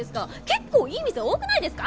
結構いい店多くないですか！？